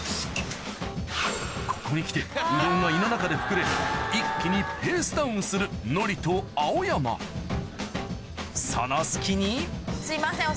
ここに来てうどんが胃の中で膨れ一気にペースダウンするノリと青山その隙にすいません。